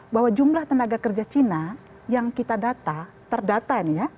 bahwa jumlah tenaga kerja cina yang kita data terdata ini ya